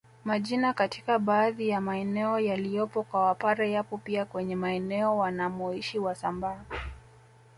Majina katika baadhi ya maeneo yaliyopo kwa Wapare yapo pia kwenye maeneo wanamoishi wasambaa